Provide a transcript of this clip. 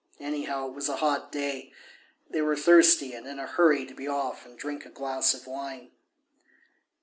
Anyhow, it was a hot day; they were thirsty and in a hurry to be off and drink a glass of wine.